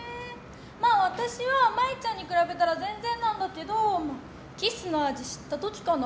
まあ、私はまゆちゃんに比べたら全然なんだけどキスの味、知った時かな。